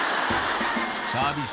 サービス